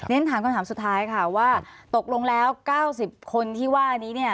ฉันถามคำถามสุดท้ายค่ะว่าตกลงแล้ว๙๐คนที่ว่านี้เนี่ย